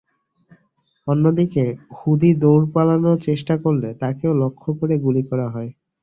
অন্যদিকে হূদি দৌঁড়ে পালানোর চেষ্টা করলে তাঁকেও লক্ষ্য করে গুলি করা হয়।